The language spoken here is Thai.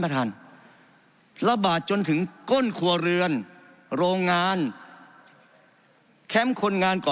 ท่านระบาดจนถึงก้นครัวเรือนโรงงานแคมป์คนงานก็